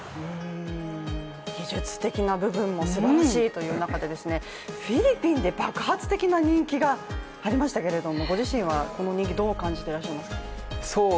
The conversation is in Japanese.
技術的な部分もすばらしいという中でですねフィリピンで爆発的な人気がありましたけどご自身はこの人気、どう感じていらっしゃいますか。